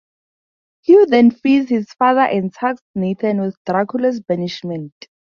Hugh then frees his father and tasks Nathan with Dracula's banishment.